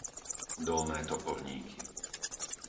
Dolné Topoľníky